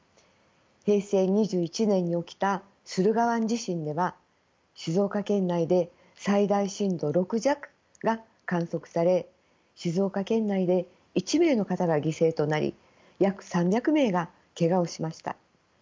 平成２１年に起きた駿河湾地震では静岡県内で最大震度６弱が観測され静岡県内で１名の方が犠牲となり約３００名がけがをしました。